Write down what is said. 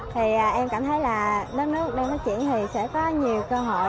thì em cảm thấy là đất nước đang phát triển thì sẽ có nhiều cơ hội